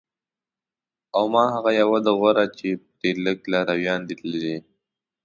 او ما هغه یوه ده غوره چې پرې لږ لارویان دي تللي